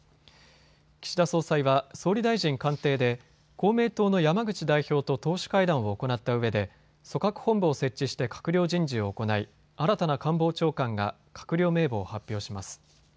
岸田総裁は総理大臣官邸で公明党の山口代表と党首会談を行ったうえで組閣本部を設置して閣僚人事を行い新たな官房長官が閣僚名簿を発表します。